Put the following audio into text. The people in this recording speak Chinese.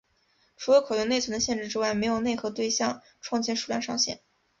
除了可用内存的限制之外没有内核对象创建数量上限。